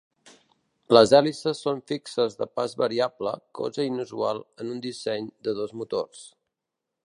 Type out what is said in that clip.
Les hèlices són fixes de pas variable, cosa inusual en un disseny de dos motors.